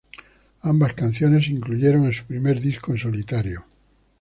Ambas canciones se incluyeron en su primer disco en solitario.